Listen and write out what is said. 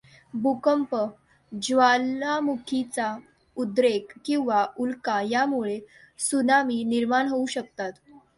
भूकंप, ज्वालामुखीचा उद्रेक किंवा उल्का यांमुळे त्सुनामी निर्माण होवू शकतात.